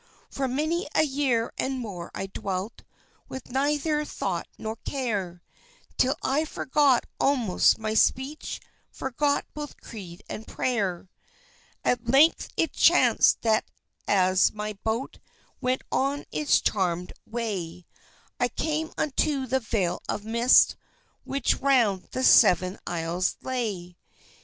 For many a year and more, I dwelt With neither thought nor care, Till I forgot almost my speech, Forgot both creed and prayer. At length it chanced that as my boat Went on its charmèd way, I came unto the veil of mist Which round the Seven Isles lay.